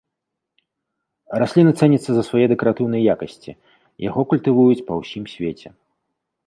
Расліна цэніцца за свае дэкаратыўныя якасці, яго культывуюць па ўсім свеце.